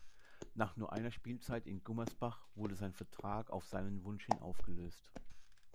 Nach nur einer Spielzeit in Gummersbach wurde sein Vertrag auf seinen Wunsch hin aufgelöst.